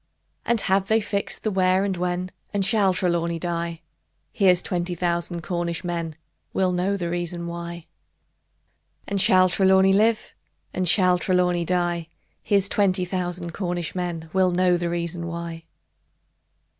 And have they fixed the where and when? And shall Trelawny die? Here's twenty thousand Cornish men Will know the reason why! And shall Trelawny live? Or shall Trelawny die? Here's twenty thousand Cornish men Will know the reason why!